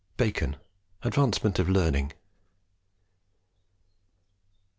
BACON, Advancement of Learning.